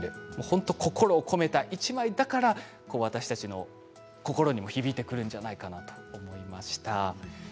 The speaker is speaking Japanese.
本当に心を込めた１枚だからこそ私たちの心にも響いてくるんじゃないかなと思いました。